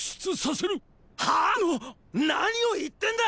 ハァ⁉何を言ってんだ！